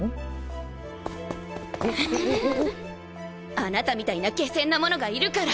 あなたみたいな下賤な者がいるから。